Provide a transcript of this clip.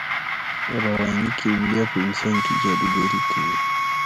رواني کیمیا په انسان کې جادوګري کوي